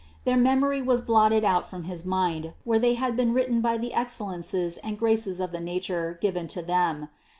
Their memory was blotted out from his mind, where they had been written by the excellences and graces of the nature given to them.